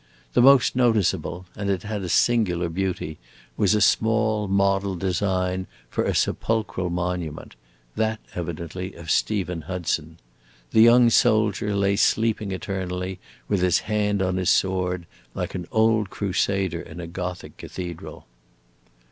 The most noticeable (and it had singular beauty) was a small modeled design for a sepulchral monument; that, evidently, of Stephen Hudson. The young soldier lay sleeping eternally, with his hand on his sword, like an old crusader in a Gothic cathedral.